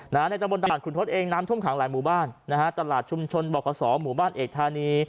ในตะบนตลาดขุนทศเองน้ำท่วมขังหลายหมู่บ้านนะฮะตลาดชุมชนบอกขอสอหมู่บ้านเอกธานี